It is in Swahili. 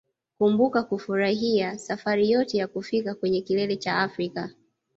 Kumbuka kufurahia safari yote ya kufika kwenye kilele cha Afrika